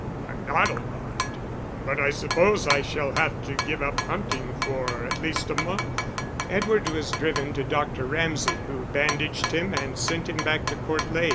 "I'm not alarmed, but I suppose I shall have to give up hunting for at least a month." Edward was driven to Dr. Ramsay, who bandaged him and sent him back to Court Leys.